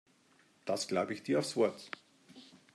Das glaube ich dir aufs Wort.